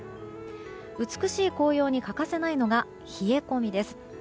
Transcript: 美しい紅葉に欠かせないのが冷え込みです。